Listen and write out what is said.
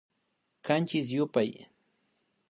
Kanchis yupay